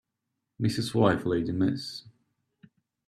Mrs. wife lady Miss